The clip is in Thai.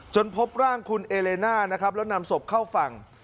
พบร่างคุณเอเลน่านะครับแล้วนำศพเข้าฝั่ง